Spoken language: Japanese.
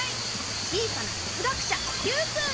小さな哲学者Ｑくん。